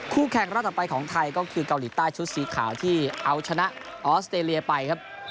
แข่งรอบต่อไปของไทยก็คือเกาหลีใต้ชุดสีขาวที่เอาชนะออสเตรเลียไปครับ